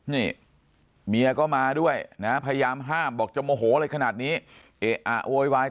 นี่เมียก็มาด้วยนะพยายามห้ามบอกจะโมโหอะไรขนาดนี้เอะอะโวยวาย